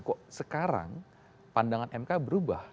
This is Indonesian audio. kok sekarang pandangan mk berubah